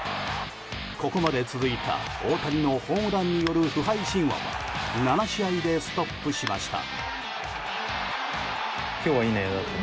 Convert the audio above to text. ここまで続いた大谷のホームランによる不敗神話は７試合でストップしました。